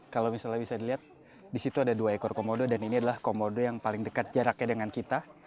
kalau misalnya bisa dilihat di situ ada dua ekor komodo dan ini adalah komodo yang paling dekat jaraknya dengan kita